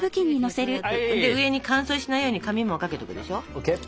上に乾燥しないように紙もかけとくでしょ。